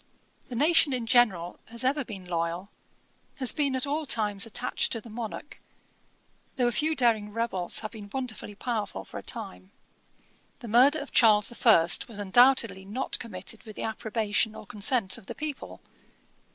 The nation in general has ever been loyal, has been at all times attached to the monarch, though a few daring rebels have been wonderfully powerful for a time. The murder of Charles the First was undoubtedly not committed with the approbation or consent of the people.